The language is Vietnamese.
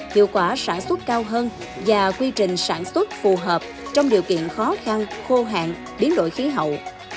hiệu quả sản xuất cao hơn và quy trình sản xuất phù hợp trong điều kiện khó khăn khô hạn biến đổi khí hậu